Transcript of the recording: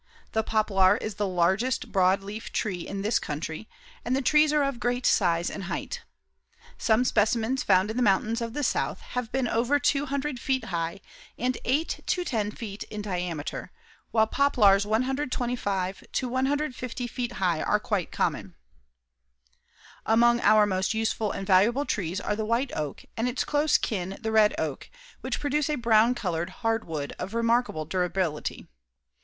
The poplar is the largest broad leaf tree in this country and the trees are of great size and height. Some specimens found in the mountains of the South have been over 200 feet high and 8 to 10 feet in diameter, while poplars 125 to 150 feet high are quite common. Among our most useful and valuable trees are the white oak, and its close kin, the red oak, which produce a brown colored, hard wood of remarkable durability.